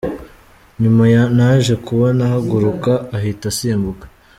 Nyuma naje kubona ahaguruka ahita asimbuka.